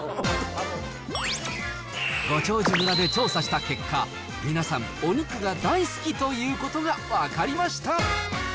ご長寿村で調査した結果、皆さん、お肉が大好きということが分かりました。